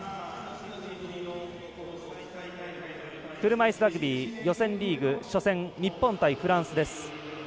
車いすラグビー、予選リーグ初戦日本対フランスです。